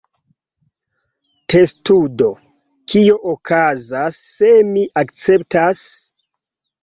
Testudo: "Kio okazas se mi akceptas?"